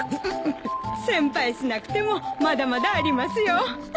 心配しなくてもまだまだありますよ。